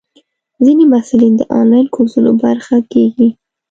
ځینې محصلین د انلاین کورسونو برخه کېږي.